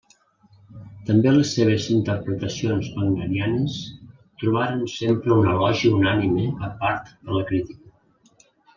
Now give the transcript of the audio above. També les seves interpretacions wagnerianes trobaren sempre un elogi unànime per part de la crítica.